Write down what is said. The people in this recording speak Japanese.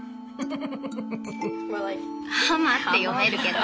「ハマ」って読めるけど。